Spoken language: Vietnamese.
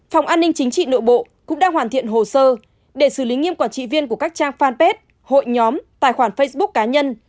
phòng an ninh chính trị nội bộ cũng đang hoàn thiện hồ sơ để xử lý nghiêm quản trị viên của các trang fanpage hội nhóm tài khoản facebook cá nhân